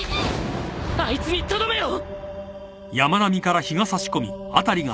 あいつにとどめを！